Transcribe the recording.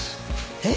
えっ？